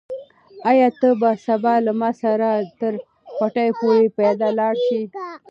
آیا ته به سبا له ما سره تر پټیو پورې پیاده لاړ شې؟